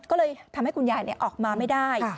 ก็เลยทำให้คุณยายออกมาไม่ได้